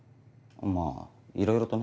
まあいろいろとね。